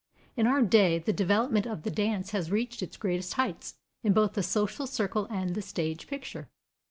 In our day the development of the dance has reached its greatest heights, in both the social circle and the stage picture.